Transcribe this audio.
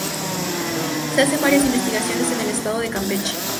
Se hacen varias investigaciones en el estado de Campeche.